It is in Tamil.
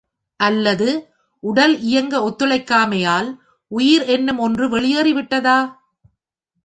அல்லது, உடல் இயங்க ஒத்துழைக்காமையால், உயிர் என்னும் ஒன்று வெளியேறிவிட்டதா?